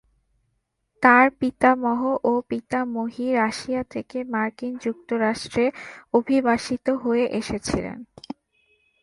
তার পিতামহ ও পিতামহী রাশিয়া থেকে মার্কিন যুক্তরাষ্ট্রে অভিবাসিত হয়ে এসেছিলেন।